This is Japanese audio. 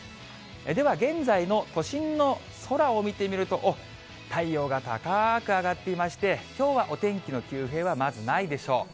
では現在の都心の空を見てみると、おっ、太陽が高ーく上がっていまして、きょうはお天気の急変はまずないでしょう。